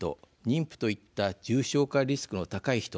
妊婦といった重症化リスクの高い人